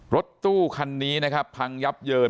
รถตู้คันนี้นะครับพังยับเยิน